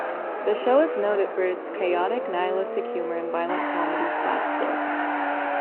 The show is noted for its chaotic, nihilistic humour and violent comedy slapstick.